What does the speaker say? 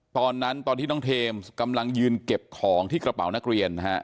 ตอนที่น้องเทมส์กำลังยืนเก็บของที่กระเป๋านักเรียนนะฮะ